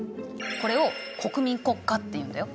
これを国民国家っていうんだよ。